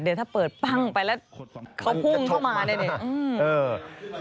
เดี๋ยวถ้าเปิดปังไปเขาพุงเข้ามาได้เลย